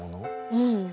うん。